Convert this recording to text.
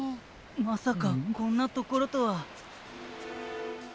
まさかこんなところとは。